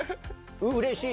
うれしい？